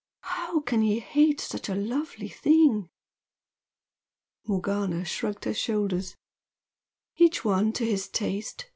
How can he hate such a lovely thing!" Morgana shrugged her shoulders. "Each one to his taste!"